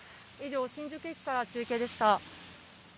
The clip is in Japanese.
以上、新宿駅から中継でした。